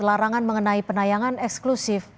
larangan mengenai penayangan eksklusif